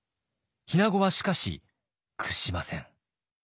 日名子はしかし屈しません。